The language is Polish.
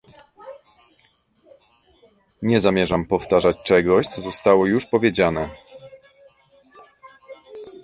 Nie zamierzam powtarzać czegoś, co zostało już powiedziane